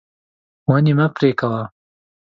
ونې مه پرې کوه.